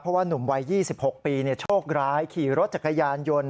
เพราะว่านุ่มวัย๒๖ปีโชคร้ายขี่รถจักรยานยนต์